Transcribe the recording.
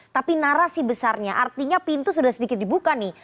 tapi narasi besarnya artinya pintu sudah sedikit dibuka nih